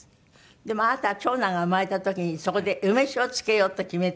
でもあなたは長男が生まれた時にそこで梅酒を漬けようと決めた？